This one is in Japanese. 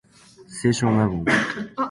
清少納言